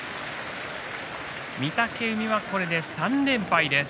御嶽海はこれで３連敗です。